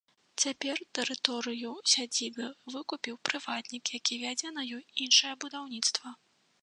Цяпер тэрыторыю сядзібы выкупіў прыватнік, які вядзе на ёй іншае будаўніцтва.